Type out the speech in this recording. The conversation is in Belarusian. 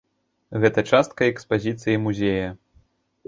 Гэта частка экспазіцыі музея.